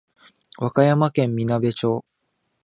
和歌山県みなべ町